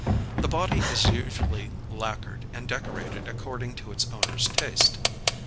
The body is usually lacquered and decorated according to its owner's taste.